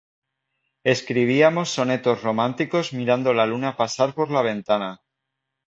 Escribíamos sonetos románticos mirando la luna pasar por la ventana.